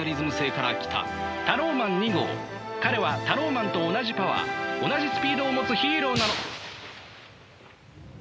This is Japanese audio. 彼はタローマンと同じパワー同じスピードを持つヒーローなの。